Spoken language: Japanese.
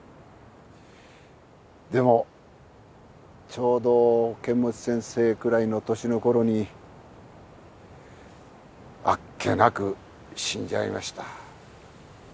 でもちょうど剣持先生くらいの年のころにあっけなく死んじゃいました。